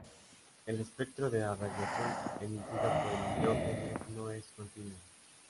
El espectro de la radiación emitido por el hidrógeno no es continuo.